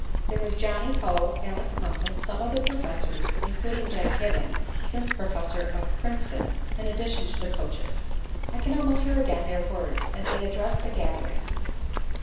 There was Johnny Poe, Alex Moffat, some of the professors, including Jack Hibben, since president of Princeton, in addition to the coaches. I can almost hear again their words, as they addressed the gathering.